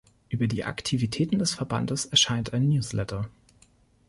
Über die Aktivitäten des Verbandes erscheint ein Newsletter.